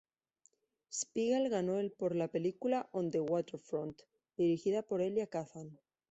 Spiegel ganó el por la película "On the Waterfront", dirigida por Elia Kazan.